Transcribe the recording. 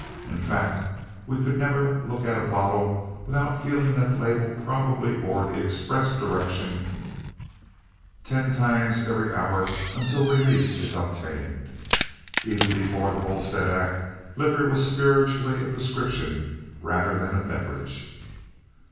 In fact, we never could look at a bottle without feeling that the label probably bore the express direction, "Take ten times every hour until relief is obtained." Even before the Volstead act liquor was spiritually a prescription rather than a beverage.